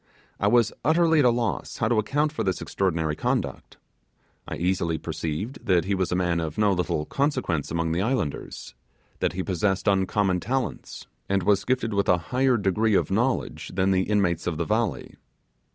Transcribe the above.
I was utterly at a loss how to account for this extraordinary conduct. I easily perceived that he was a man of no little consequence among the islanders; that he possessed uncommon talents; and was gifted with a higher degree of knowledge than the inmates of the valley.